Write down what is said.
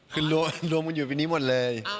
คือรวมกันอยู่ปีนี้หมดเลย